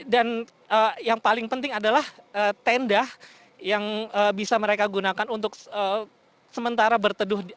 dan yang paling penting adalah tenda yang bisa mereka gunakan untuk sementara berteduh